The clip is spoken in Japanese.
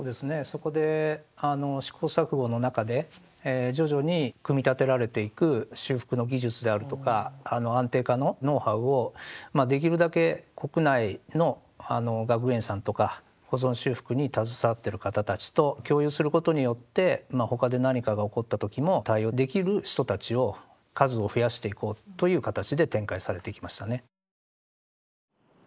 そこで試行錯誤の中で徐々に組み立てられていく修復の技術であるとか安定化のノウハウをできるだけ国内の学芸員さんとか保存修復に携わってる方たちと共有することによって他で何かが起こった時も対応できる人たちを数を増やしていこうという形で展開されてきましたね。